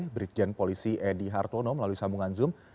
brigjen polisi edy hartono melalui sambungan zoom